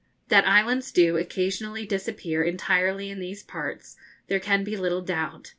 That islands do occasionally disappear entirely in these parts there can be little doubt.